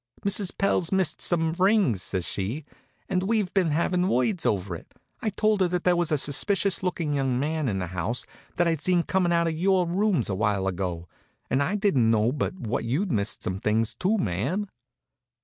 "Mrs. Pell's missed some rings," says she, "and we've been havin' words over it. I told her there was a suspicious looking young man in the house that I'd seen comin' out of your rooms awhile ago, and I didn't know but what you'd missed some things, too, ma'am."